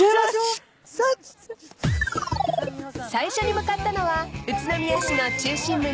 ［最初に向かったのは宇都宮市の中心部にある］